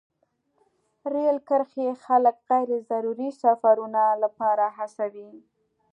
رېل کرښې خلک غیر ضروري سفرونو لپاره هڅوي.